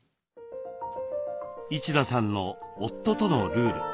一田さんの夫とのルール。